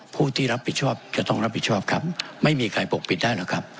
ผู้ที่รับผิดชอบจะต้องรับผิดชอบครับไม่มีใครปกปิดได้หรอกครับ